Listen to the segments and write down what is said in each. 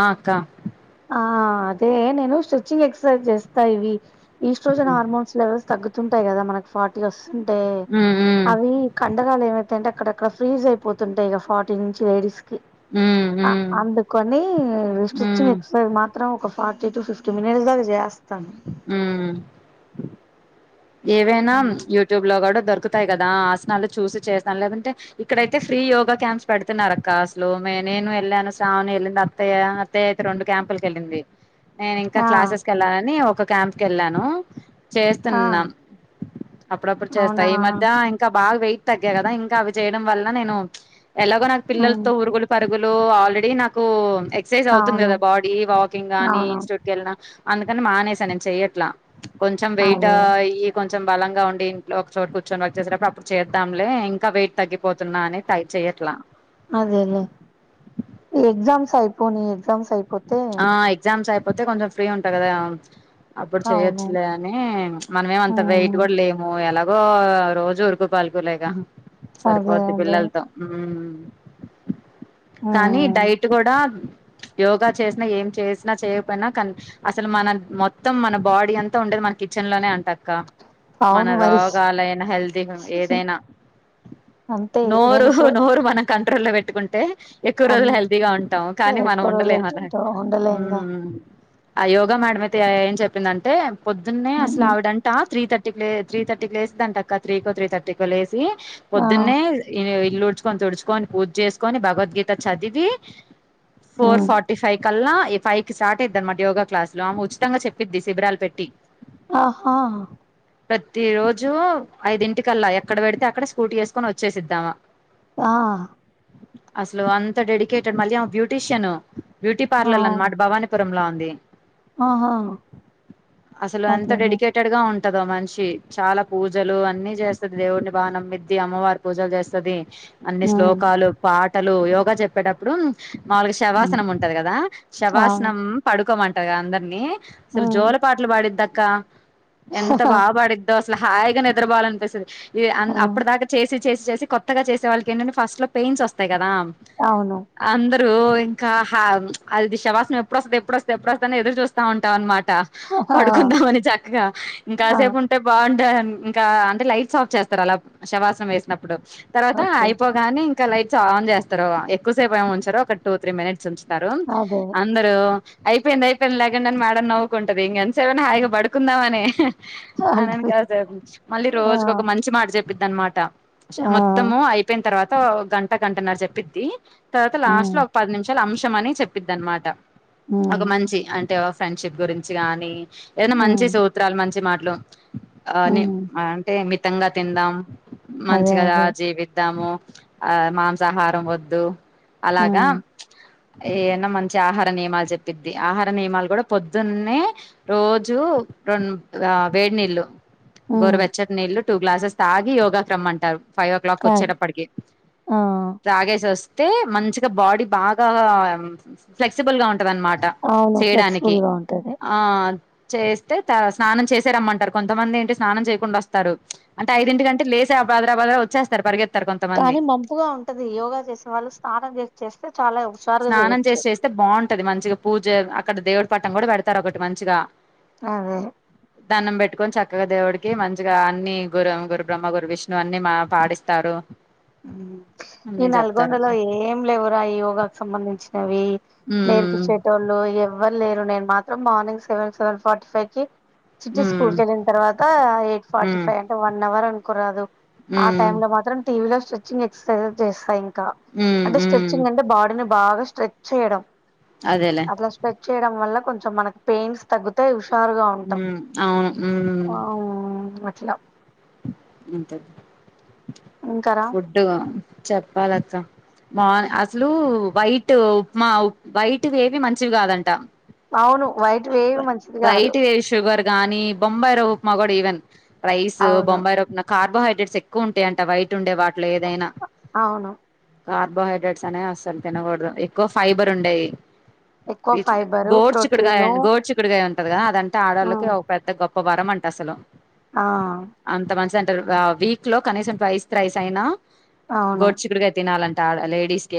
ఆ అక్క ఆ అదే నేను స్ట్రెచింగ్ ఎక్సర్సైజ్ చేస్తా ఇవి ఈస్ట్రోజన్ ఉమ్ ఆర్మోన్స్ లెవెల్స్ తగ్గుతుంటాయి గదా మనకు ఫార్టీ వస్తు అంటే ఉమ్ ఉమ్ అవి కండరాలు ఏమై అంటే అక్కడక్కడ ఫ్రీజ్ అయిపోతుంటాయి గ ఫార్టీన్ నించి లేడీస్ కి ఉమ్ అందుకని స్టిచ్చింగ్ ఉమ్ ఒకసారి మాత్రం ఒక ఫార్టీ టు ఫిఫ్టీ మినిట్స్ దాకా జేస్తాను ఉమ్ ఏవైనా యూట్యూబ్ లో గూడా దొరు దక్కుతాయి కదా ఆసనాలు చూసి చేస్తాను లేదంటే ఇక్కడైతే ఫ్రీ యోగా క్యాంప్స్ పెడుతున్నారు అక్క అసలు మే నేను యెళ్ళాను శ్రావణి యెళ్ళింది అత్తయ్య అత్తయ్య అయితే రెండు క్యాంపులకి యెళ్ళింది నేను ఇంకా ఆ క్లాసెస్ కెళ్ళాలని ఒక క్యాంప్ కెళ్ళాను ఆ చేస్తున్నాం అప్పుడప్పుడు చేస్తా అవునా ఈ మధ్య ఇంకా బా బాగా వెయిట్ తగ్గా గదా ఇంకా అవి చేయడం వల్ల నేను ప్చ్ ఎలాగో నాక్ ఉమ్, పిల్లల్తో ఉరుగులు పరుగుల్ గులు ఆల్రెడీ నాకు ఎక్సయిజ్ అవుతుంది అవును గదా బాడీ వాకింగ్ గానీ అవును ఇన్స్ట్యూట్ కెళ్ళిన అందుకని మానేసాను నేన్ చెయ్యట్లా ప్చ్ కొంచెం వెయిట అదే అయ్యి కొంచెం బలంగా ఉండి ఇంట్లో ఒక చోటు కూర్చొని వర్క్ చేసేటప్పుడు అప్పుడు చేద్దాంలే ఇంకా వెయిట్ తగ్గిపోతున్నా అని ట్రై చేయట్లా సరిపోని ఎగ్జామ్స్ అయిపోత్ ఆ ఎగ్జామ్స్ అయ్ పోతే కొంచెం ఫ్రీ ఉంటా గదా అప్పుడు అవును చేయొచ్చులే అని ప్చ్ మనమేం అంత వెయిట్ ఉమ్, గూడ లేము ఎలా ఓ రోజు ఊరుకు పల్కులేగా అదే సరిపోద్ది అదే పిల్లలతో ఉమ్ కానీ ఉమ్. డైట్ కూడా యోగా చేసినా ఏం చేసినా చేయకపోయినా, కానీ అసలు మన మొత్తం మన బాడీ అంతా ఉండేది మన కిచెన్ లోనే ఉంట క మన అవును మరి రోగాలయినా హెల్తీ ఏదైనా అంతే నేను నోరు ఇప్పుడు నోరు మనకం [unintelligible] లో పెట్టుకుంటే ఎక్కువ రోజులు అంతే హెల్తీగా ఉంటాం కానీ మనం ఎక్కువ రోజులు ఉండలేము అలా అయితుంటే ఉండలేంగా మ్ ఆ యోగా మేడమైతే ఏం చెప్పిందంటే పొద్దున్నే అసలు ఆవిడంటా త్రీ థర్టీకి లే త్రీ థర్టీకి లేస్తదంట క త్రీ కో త్రీ థర్టీ కో లేసి ఆ పొద్దున్నే ఇల్లూడ్చు కొని తుడుచుకొని పూజ చేసుకొని భగవద్గీత చదివి ఫోర్ ఉమ్ ఫార్టీ ఫైవ్ అలా ఫైవ్ కి స్టార్ట్ అయిద్ది అనమాట యోగా క్లాసులు ఆమె ఉచితంగా చెప్పిది శిబిరాలు పెట్టి ఆహా ప్రతి రోజు ఐదింటికల్లా ఎక్కడ పెడితే అక్కడ స్కూటీ వేసుకొని వచ్చేసిద్దామా ఆ అసలు అంత డెడికేటెడ్ మళ్ళీ ఆమె బ్యూటీషియను బ్యూటీ ఆ పార్లర్లు అనమాట భవానీపురంలో ఉం దేన్ ఆహా అసలు ఎంత అదేలే డెడికేటెడ్ గా ఉం ఉంటదో మనిషి, చాలా పూజలూ అన్నీ చేస్తది దేవుడిని బా నమ్మిద్ది అమ్మవారి పూజలు చేస్తది. అన్ని ఉమ్ శ్లోకాలు, పాటలు యోక్ గా చెప్పేటప్పుడూమ్ మాములుగా ఉమ్ శవాసనం ఉంట్ దా అవును శవాసనం పడ్ పడుకోమంటదిగా అందరినీ అసల్ ఉమ్ జోల పాటలు పాడిద్ద క్కా ఎంత బాపాడిద్దో అస్ అట్ల హాయిగా నిద్రపోవాలనిపిస్తది. ఇ అన్ ఆ అప్పుడు దాకా చేసిద్ చేసి చేేసి కొత్తగా చేసే వాళ్ళకేంటంటే ఫస్ట్ లో పెయిన్స్ వస్తాయ్. కదా అవును అంద రూ ఇంకా ఆ ప్చ్ అది శవాసనం ఎప్పుడొస్తది ఎప్పుడొస్తది ఎప్పుడొస్తదని ఎదురు చూస్తా ఉంటామనమాట్ ట ఆ పడుకుందామని చక్కగా ఆ ఇంకాసేపు ఉంటే బాగుండే అన్ మ్మ్ ఇంకా అంటే లైట్స్ ఆఫ్ చేస్తరు అలా శవాసనం వేసినప్ ప్పుడు తర్వాత ఓకే అయిపోగానే ఇంకా లైట్స్ ఆన్ చేస్తరూ ఎక్కువ్సేపేమ్ ఉంచరు ఒక టూ త్రీ మినిట్స్. సన్స్ టారు అదే అందరూ అయిపోయింది అయిపోయింది లెగండని మేడం నవ్వుకుంటది ఇంకెంతసేపని హాయిగా పడుకుందామనే. అనని అంటది కాసేపు. మళ్ళీ ఆ రోజుకొక మంచి మాట చెప్ చెప్పిద్దన్నమాట ఆ మొత్తమూ అయిపోయిన్ తర్వాత్ ఓ గంట గంటన్నర చెప్పిద్దీ. తర్వాత ఉమ్ లాస్ట్ లో ఒక పది నిమిష్ అంశంమని చెప్పిద్దనమాట ఉమ్ ఒక మంచీ అంటే ఫ్రెండ్షిప్ గురించి గానీ ఏదన్న మంచి ఉమ్ సూత్రాలు మంచి మాట్ లో అని ఉమ్ అంటే మితంగా తిందాం అదే మంచిగదా అదే జీవిద్దాము ఆ మాంసాహారం వద్దు అలాగ ఉమ్ ఏయన్న మంచి ఆహార నియమాలు చెప్పిద్ది ఆహార నియమాలు కూడా పొద్దున్నే రోజు రెం ఆ వేడ్నీళ్లు ఉమ్ గోరువెచ్చట్నీళ్లు టూగ్లాసెస్ తాగి యోగాకి రమ్మంటారు ఫైవ్ ఓ క్లాక్ ఆ వచ్చేటప్పటికి ఆ, తాగే‌సి వస్ తే మంచిగా బాడి బా గా ఫ్లెక్స్ సిబుల్ గా ఉంటదనమాట అవును చెయ్యడానికి ఫ్లెక్సిబుల్ గా ఉంటది ఆ చేస్తే త స్నానం చేసే రమ్మంటారు కొంతమంది ఏంటే స్నానం చేయకుండొస్తారు అంటే ఐదింటికంటే లేస్ తె బగ్రా బగ్రా వచ్చేస్తారు పరిగేత్ కానీ మంపుగా ఉంటది యోగా చేసే వాళ్ళు స్నానం చేసి చేస్తే చాలా ఉ స్నానం చేసి చేస్తే బాగుంటది మంచిగ పూజ అక్కడ దేవుడి పటం కూడ పెడతారు ఒకటి మంచిగ అదే దండం పెట్టుకొని చక్కగా దేవుడికి మంచిగా అన్ని గురు గురుబ్రహ్మ గురు విష్ణువు అన్ని మా పాడిస్తారు మ్మ్ ఈ అన్ని నల్గొండ చెప్తారు లో ఏం లెవు రా ఆ యోగ సంబంధించి నవి ఉమ్ నేర్పిచ్చేటోళ్ళు ఏవ్ ఎవరు లేరు నేను మాత్రం morning seven seven forty five కి చిట్టి స్కూల్ ఉమ్ కి వెళ్ళిన తర్వాత ఎయిట్ ఫార్టీ ఉమ్ ఫైవ్ అంటే వన్ అవర్ అనుకోరాదు ఆ ఉమ్ టైమ్ లో మాత్రం టీ వి లో చూస్ స్ట్రెచింగ్ ఎక్సర్సైజ్ చేస్తా ఇం క ఉమ్ అంటె ఉమ్ స్ట్రెచింగ్ అంటె బాడినే బాగ స్ట్రెచ్ చేయడం అదేలే అట్ల స్ట్రెచ్ చేయడం వల్ల కొంచెం మన పెయిన్స్ తగ్గుతాయ్ ఉష్ మ్మ్ అవును మ్మ్ ఆ [unintelligible] ఇంతక్ ఇంకారా ఫుడ్డు గా చెప్పాలక్క మా అసలు వైట్ ఉప్మా వైట్ వి ఏవి మంచివి కాదంట అవును, వైట్ వేవి మంచిది కాదు. గాని బొంబాయి రవ్వ ఉప్మా గుడ ఈవెన్ జ్ అవును బొంబాయి రవ్ నాక్ కార్బోహై డెస్ ఎక్కువ ఉంటయంట వైట్ ఉండె వాటి ట్లేదైనా అవును కార్బోహైడ్రేట్స్ అనేయి అస్సలు తినగూడదు, ఎక్కువ ఫైబర్ ఉండేయి. ఎక్కువ పీచు గ ఫైబరు గోడ్ చిక్కుడుగాయ ప్రోటీను గోడ్ చిక్కుడుగాయ. కదగా దంత ఆడోళ్ళకె ఉమ్ ఒ పెద్ద గొప్ ఒ వరమంట అసలు. ఆ అంత మంచిదంటరు, వీక్ లో కనీసం ట్వైస్, తైస్ అయినా అవును గోడ్ చిక్కుడ్గాయ్ తినాలం టాడ లేడీస్ కి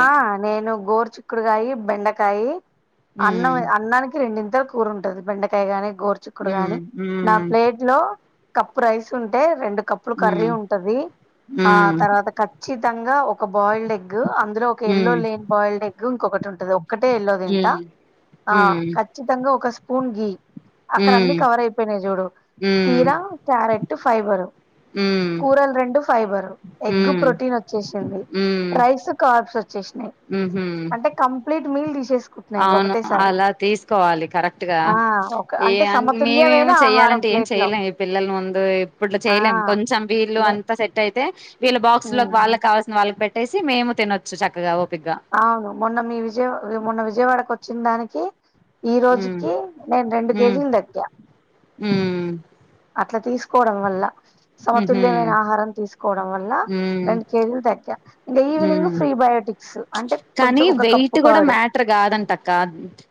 ఆ నేను గోరు చిక్కుడుకాయి, బెండకాయి హ్మ్ అన్నమె అన్నానికి రెండ్ డింతలు కూరుంటది బెండకాయ గాని గోర్ చిక్కుడు హ్మ్ గాని, నా హ్మ్ ప్లేట్ లో కప్పు రైస్ ఉంటే రెండు ప్పులు కర్రీ హ్మ్ ఉంటది, ఆ హ్మ్ తర్వాత ఖచ్చితంగ ఒక బాయిల్డ్ ఎగ్ అం ఎల్లో హ్మ్ లేని బాయిల్డ్ ఎగ్ ఇంకొకటి ఉంటది, ఒక్కటే ఎల్లో తింటా. హ్మ్ ఆ హ్మ్ ఖచ్చితంగ్ గ ఒక స్పూన్ ఘి. అక్కడ అన్ని హ్మ్ కవర్ అయిపోయినయి జూడు కీరా, హ్మ్ క్యారెట్ ఫైబరు. కూరలు రెండు ఫైబరు ఎగ్ హ్మ్ ప్రోటీన్ వచ్చేసింది, హ్మ్ రైస్ కార్బ్స్ వచ్చేసినయి, ఉహూ అంటే కంప్లీట్ మీల్ డిషేస్ అవును అలా తీసుకోవాలి కరెక్ట్ గా, ఆ ఒక ఏ అంటే అం సమతుల్యమైన మేమేమో ఆహారం చెయాలంటే ఏం ప్లేట్ లో చెయలేం, ఈ పిల్లల ముందు ఇప్పుట్ల ఆ చేయలేం కొంచెం వీళ్లు నే అంతా సెట్ అయి తె వీళ్ళ బక్స్ లక్ ఉమ్ వాళ్ళకు కావాసిన వాళ్ళు పెట్ ట్టేసి మేము తినచ్చు చక్కగ ఓ అవును మొన్న మీ విజయవా మొన్న విజయవాడక్ వచ్చిందానికి ఈ హ్మ్ రోజుకి నేన్ రెండు హ్మ్ కేజీలు తగ్గా ఉమ్ అట్ల తీసుక్ కోవడం వల్ల ఉహు సమతుల్యమైన ఆహారం తీస్ కోవడం వల్ల రెండు కేజీలు తగ్గ మ్మ్ కానీ కొంచెం ఒక వెయిట్ కప్పు కూడా కర్డ్ మ్యాటర్ కాదంటక్క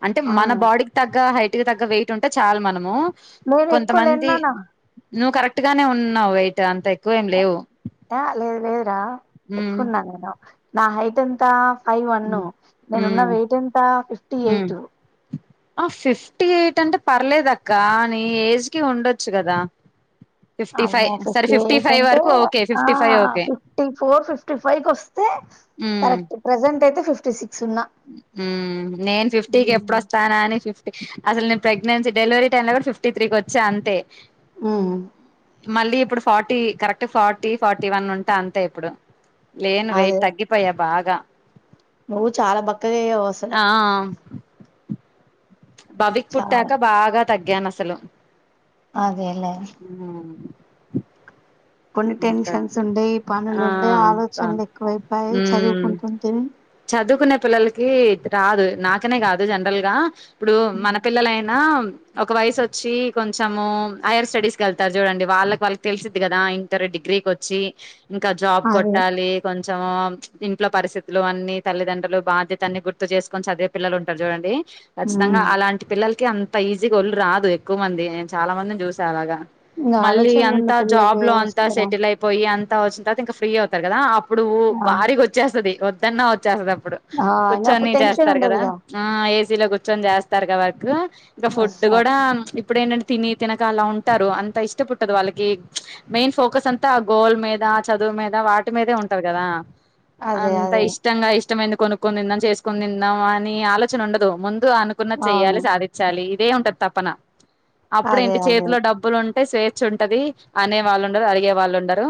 అంటే ఆ మన బాడీకి తగ్గ హైట్ కి తగ్గ వెయి ఇట్ ఉంటే చాలు మనము నేను ఎక్కువ కొంతమంది లేన్నానా నువ్వు కరెక్ట్ గానే ఉన్నావు వెయిట్ అంత ఎక్కువేం లేవు ద ఉమ్ ఎక్కువన్నా నేను నా హైట్ ఎంత ఫైవ్ వన్ ఉమ్ నేను ఉన్న ఉమ్ వెయిట్ ఎంత ఫిఫ్టీ ఉమ్ ఎయిట్ పర్లేదక్క నీ ఏజ్ కి ఉండొచ్చు కదా ఫిఫ్టీ ఫైవ్ అమ్మో సరే ఫిఫ్టీ ఎయిట్ ఫైవ్ అంటే వరకు ఓకే ఆ fifty five okay fifty four fifty five వస్తే కరెక్ట్ ప్రెంజెంట్ అయితే ఫిఫ్టీ సిక్స్ ఉన్నా మ్ నేను ఫిఫ్టీకి ఉమ్ ఎప్పుడుొస్తానా అని ఫిఫ్టీ అసలు నేను ప్రేగ్నన్సీ డెలివరీ టైంలో కూడా ఫిఫ్టీ త్రి కి వచ్చా అంతే మ్ మళ్ళీ ఇప్పుడు forty correct forty forty one ఉంట అంతే ఇప్పుడు లేను వెేయిట్ తగ్గిపోయ బాగ్ గా మూత్ చాలా బక్కగాయ్యవసలు బవిక్ చాలా పుట్టాక బాగా తగ్గాను అసలు అదేలే కొన్ని ఇంకా టెన్షన్స్ ఉండేయి పనులు ఆ ఉండే ఆలోచనలు ఎక్కువైపోయి మ్ చదువుకుంటుంటే కి రాదు నాకనే కాదు జనరల్ గా ఇప్పుడు మన పిల్లలైనా ఒక వయసు వచ్చి కొంచెము హైయర్ స్టడీస్కి వెళ్తారు చూడండి వాళ్ళకి వాళ్ళకి తెలిసిది కదాం ఇక్కర డిగ్రీకి వచ్చి ఇంక జాబ్ అదే కొట్టాలి కొంచం ఇంట్లో పరిస్థితులు అన్నితల్లిదండ్రులు బాధ్యతలన్ని గుర్తు చేసుకొని చదివే పిల్లలు ఉంటరు చూడండి ఖచ్చితంగా ఉమ్ అలాంటి పిల్లలకి అంత ఈజీగోళ్లుు రాదు ఎక్కువ మంది నే చాలా మందిని చూసాఅలాగా ఇంగ మళ్ళీ ఆలోచనలు ఉన్న అంత పిల్లకి జాబ్ లో ఏం అ కా వస్తారా సెటిలైపోయి ఇగ అంత వోచ్చిన తర్వాత ఇంకా ఫ్రీ అవుతారు కదా ఇప్పుడు ఆ భారీగావోచ్చేస్తది తన్నా త్ చేస్తది అప్పుడు ఆ ఇంగ కూర్చొని అప్పుడు టెన్షన్ చేస్తారు కదా ఉండదుగా ఆ ఏసి లొ కూర్చ కొంచెం చేస్తారు క వర్కు ఇంకా ఫుడ్ వస్తారు కూడా ఇప్పుడు ఏంటంటే తిని తినక అలా ఉంటారు అంత ఇష్ట పుట్టదు వాళ్ళకి మెయిన్ ఫోకస్ అంతా గోల్ మీద చదువు మీద వాటి మీదే ఉంటాది కదా అదే అంత అదే ఇష్టంగా ఇష్ ఇష్టమైనది కొనుక్కొని తిందాం చేసుకునితిందాం అని ఆలోచన ఉండదు ముందు అనుకున్నది అవును చేయాలి సాధిచ్చాలి ఏ ఉంటది తపనా అప్పుడు అదే ఏంటి అదే చేతిలో డబ్బులు ఉం స్వేచ్ఛ ఉంటది అనే వాళ్ళు ఉడరు అడిగే వాళ్ళు ఉండరు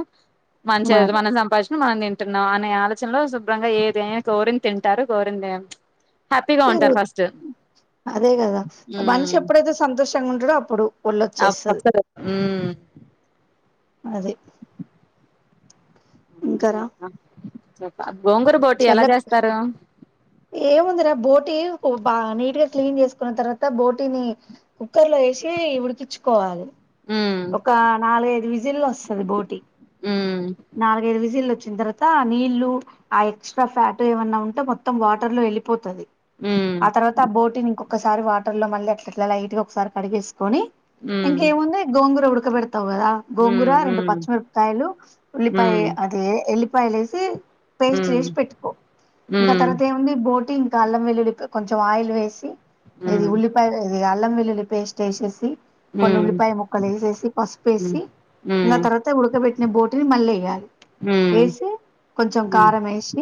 మంచి ఐదు మరి మనం సంపాదించ్ మనం తింటున్నాం అనే ఆలోచనలో శుభ్రంగా ఏదనా కోోరిని తింటారు కోోరిని తినం పెరుగు అదే కదా మనిషి ఎప్పుడైతే సంతోషంగా ఉం ఉంటాడో అప్పుడు ఆ ఒళ్ళొచ్చేస్తది పక్క హు అదిే అ చేప్పాం చల ఏ ఉందిరా బోటి బాగా నీట్ గా క్లీన్ చేసుకున్న తర్వాత బోటీని కుక్కర్ లో వేసి ఉడికించుకోవాలి ఉమ్ ఒక నాలుగ ఐదు విజిల్ జిల్ వస్తుంది బోటి ఉమ్ నాలుగైదు విజిల్ వచ్చిన తర్వాత ఆ నీళ్లు ఆ ఎక్స్ట్రా ఫ్యాట్ ఏమన్నా ఉంటే మొత్తం వాటర్ లో వెళ్ళిపోతుంది ఉమ్ ఆ తర్వాత ఆ బోటీని ఇంకోొ ఒకసారి వాటర్ లో మళ్ళ అట్ ఎట్లా లైట్ గ ఒకసారి కడిగిేసి కని ఇంకేముంది గోంగుర కూడా ఉడక తావు కదా గోంగుర ఉమ్ రెండు ఉమ్ పచ్చిమిరపకాయలు ఉల్లిపాయ ఉమ్ అదే ఎల్లిపాయలే వేసి పేస్ట్ ఉమ్ చేసి పెట్టుకో ఇంకా ఉమ్ తర్వాత ఏముంది బోటింగ్ గ అల్లం వెల్లులి కొంచెం ఆయిల్ వేసి ఇది ఉలిపాయ ఇది అల్ం వెల్లులీ పేస్ట్ వేసేసి ఉమ్ కొన్ని ఉమ్ ఉల్లిపాయ ముక్కలు వేసేసి పసుపు ఉమ్ వేసి ఇంకా ఉమ్ తర్వాత ఉడకబట్టిన బోట్ మళ్ళీ వేయాలి ఉమ్ ఉమ్ వేసి కొంచెం ఉమ్ కారం వేసి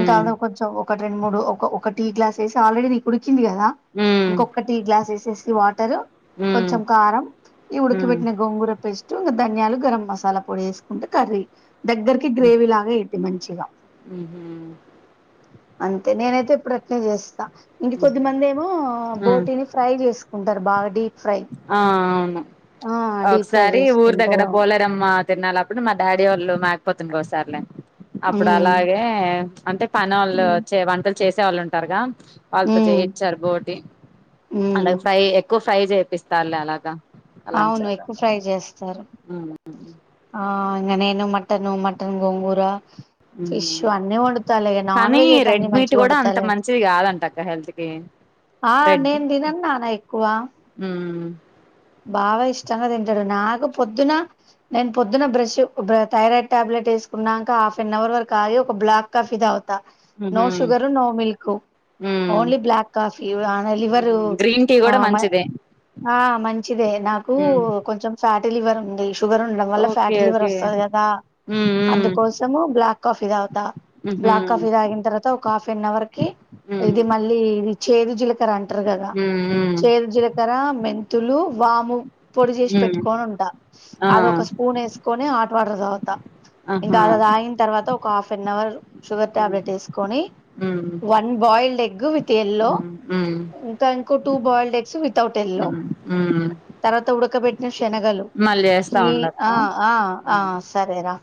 ఇంకా కొంచెం ఒక రెండు మూడు ఒక టీ గ్లాస్ వేసి ఆల్రెడీ ఇ ఉకింది కదా ఉమ్ ఇంకొక టీ గ్లాస్ వేసేసి వాటర్ ఉమ్ కొంచెం కారం ఈ ఉడికిబెట్టిన ఉమ్ గోంగూర పేస్ట్ ధన్యాలు గరం మసాలా పొడి వేసు ఉంటె కర్రీ దగ్గర్కి గ్రేవీ లాగా ఐద్ది మంచిగా అంతే నేనైతే ఎప్పుడు అట్నే చేస్ ఇంక కొద్దిమంది ఏమో బోటీని ఫ్రై చేసుకుంటారు బాగా డీప్ ప ఆ అవును డీప్ ఫ్రై ఒకసారి ఊరు దగ్గర చేసుకుంటారు అవును పోలేరమ్మా తిర్నాలప్ అప్పుడు మా డాడీ వాళ్ళు మాకపోతుని గోస్తార్లే అప్పుడు ఉమ్ అలాగే అంటే పని వాళ్ళు వచ్చే వంటల్ చేసే వాళ్ళు ఉంటారుగా వాళ్ళతో ఉమ్ చేయిచ్చారు బోటి ఉమ్ అలాగ ఫ్రై ఎక్కువ ఫ్రై చేయ పిస్తారు అలాగా అవును ఎక్కువ ఫ్రై చేస్తారు ఉ ఆ ఇంగనేను మటన్ మటన్ గోంగూర ఫిష్ ఉమ్ అన్నీ వండుతాలే ఇగ నాన్ కానీ వెజ్ అయితే రెడ్ అన్ని మీట్ మంచిగా కూడా అంత వండుతాలే మంచిది కాదంట అక్క హెల్త్కి ఆ రెడ్ నేను తినను నాన్న ఊమ్ బాగా ఇష్టంగా తింటాడు నాకు పొద్దున నేను పొద్దున బ్రష్ ఉబ్ర థైరాయిడ్ టాబ్లెట్ వేసుకున్నాక హాఫ్ అన్ అవర్ వరకు ఆగి ఒక బ్లాక్ కాఫీ తాగు త ఉహు నోషుగరు నో మిల్క్ ఉమ్ ఓన్లీ బ్లాక్ కాఫీ ఉ ఆ లివరు గ్రీన్ టీ ఆ కూడా మంచిదే ఆ మంచి ఇదే నాకూ కొంచెం ఫ్యాటల లివర్ ఉంది షుగర్ ఉండడం వల్ల ఫ్యాటీ ఓకే లివర్ ఓకే వస్తది కదా మ్మ్ అందుకోసం బ్లాక్ కాఫీ తాగుతా మ్మ్ బ్లాక్ కాఫీ తాగిన తర్వాత ఒక హాఫ్ ఎన్ అవర్ కి మ్మ్ ఇది మళ్ళీ ఇ చేదు జిలకర అంట్ మ్మ్ [unintelligible] చేర్ జీలకర్ర మె తులూ వాము పొడి చేసి మ్మ్ పెట్టుకొని ఉంటా ఆ అదొక స్పూన్ ఏస్కోని వాటర్ తాగుతా ఇంకా ఆహా అలా తాగిన తర్వాత ఓ క్క హాఫ్ ఎన్ అవర్ షుగర్ మ్మ్ టాబ్లెట్ ఏసుకొని మ్మ్ one boiled egg with yellow మ్మ్ మ్మ్ ఇంకా ఇంకో two boiled eggs without yellow మ్మ్ తర్వాత ఉడక భేట్న శనగలు మళ్ళీ చేస్తా కి ఉండక్క ఆ ఆ ఆ మ్మ్ సరేరా